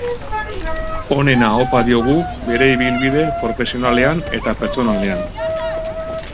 Onena opa diogu bere ibilbide profesionalean eta pertsonalean.